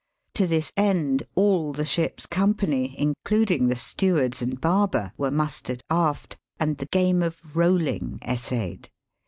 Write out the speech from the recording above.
To this end all the ship's company, including the stewards and barber, were mustered aft, and the game of ^^ rolling " essayed.